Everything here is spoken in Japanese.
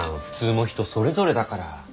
普通も人それぞれだから。